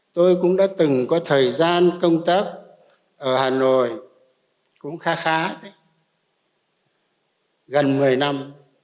tôi cũng đã từng có thời gian công tác ở hà nội cũng khá khá gần một mươi năm